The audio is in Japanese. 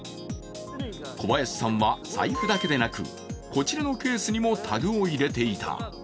小林さんは財布だけでなくこちらケースにもタグを入れていた。